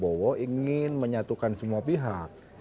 pak prabowo ingin menyatukan semua pihak